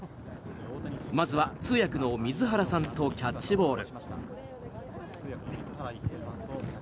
まずは通訳の水原さんとキャッチボール。